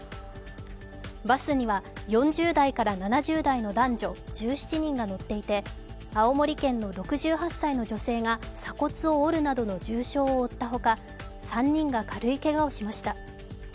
バスには４０代から７０代の男女１７人が乗っていて、青森県の６８歳の女性が鎖骨を折るなどの重傷を負ったほか、３人が軽いけがをしました。